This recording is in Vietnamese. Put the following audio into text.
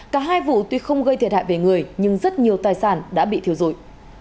cả hai vụ tuy không gây thiệt hại về người nhưng rất nhiều tài sản đã bị thiếu dội